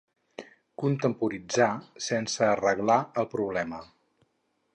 Contemporitzà sense arreglar el problema.